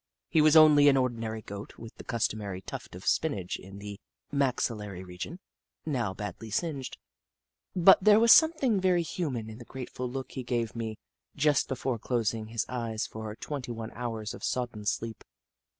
He was only an ordinary Goat, with the customary tuft of spinach in the maxillary region, now badly singed, but there was something very human in the grateful look he gave me just before closing his eyes for twenty one hours of sodden sleep.